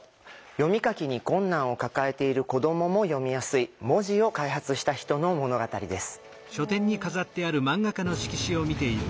読み書きに困難を抱えている子どもも読みやすい文字を開発した人の物語です。